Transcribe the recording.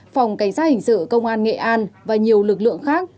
phòng cảnh sát hình sự công an nghệ an và nhiều lực lượng khác